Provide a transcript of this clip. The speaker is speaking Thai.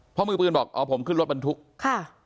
เพราะมือปืนบอกอ๋อผมขึ้นรถบรรทุกค่ะ